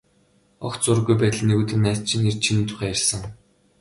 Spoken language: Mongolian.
Огт сураггүй байтал нэг өдөр найз чинь ирж, чиний тухай ярьсан.